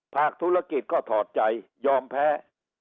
ภาคธุรกิจก็ถอดใจยอมแพ้